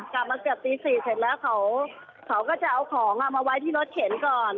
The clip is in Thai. กลับมาเกือบตี๔เสร็จแล้วเขาก็จะเอาของมาไว้ที่รถเข็นก่อน